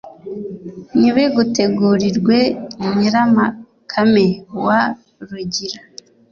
nibigutegurirwe nyiramakame wa rugira